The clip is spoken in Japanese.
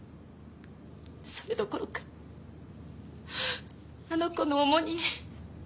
それどころかあの子の重荷に。